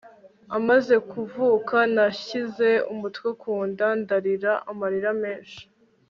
amaze kuvuka nashyize umutwe ku nda ndarira amarira menshi